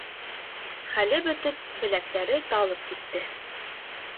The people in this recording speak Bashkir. Хәле бөтөп, беләктәре талып китте.